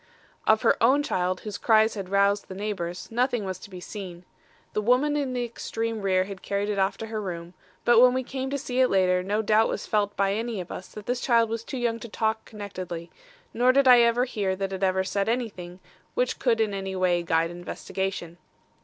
"Of her own child, whose cries had roused the neighbours, nothing was to be seen. The woman in the extreme rear had carried it off to her room; but when we came to see it later, no doubt was felt by any of us that this child was too young to talk connectedly, nor did I ever hear that it ever said anything which could in any way guide investigation.